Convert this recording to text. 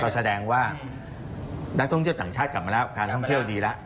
แสดงว่านักท่องเที่ยวต่างชาติกลับมาแล้วการท่องเที่ยวดีแล้ว